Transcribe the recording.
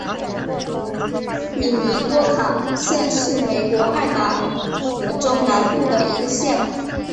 米尼多卡县是美国爱达荷州南部的一个县。